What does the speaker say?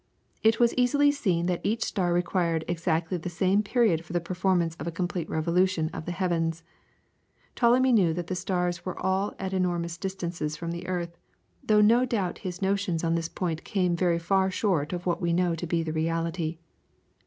It was easily seen that each star required exactly the same period for the performance of a complete revolution of the heavens. Ptolemy knew that the stars were at enormous distances from the earth, though no doubt his notions on this point came very far short of what we know to be the reality.